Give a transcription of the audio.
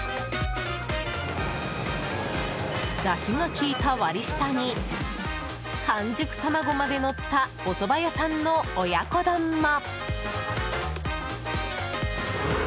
だしがきいた割り下に半熟卵までのったおそば屋さんの親子丼も。